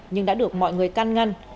nhưng đã được mọi người căn ngăn